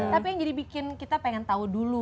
tapi yang jadi bikin kita pengen tahu dulu